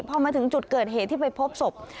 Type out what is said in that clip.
พอมาถึงจุดเกิดเหตุที่ไปพบศพ